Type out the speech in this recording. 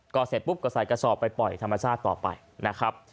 ก็เสร็จปุ๊บก็ใส่กระสอบไปปล่อยธรรมชาติต่อไปนะครับ